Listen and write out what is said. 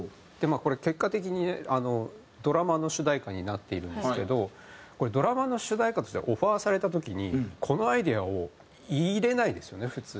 これ結果的にねドラマの主題歌になっているんですけどドラマの主題歌としてオファーされた時にこのアイデアを入れないですよね普通。